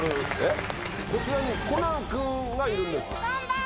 こちらにコナン君がいるんです。